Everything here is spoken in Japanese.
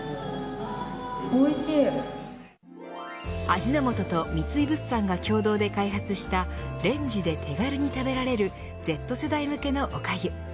味の素と三井物産が共同で開発したレンジで手軽に食べられるＺ世代向けのおかゆ。